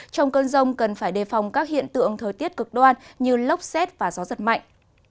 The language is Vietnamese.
trong cơn rông cần phải đề phòng các hiện tượng thời tiết cực đoan như lốc xét và gió giật mạnh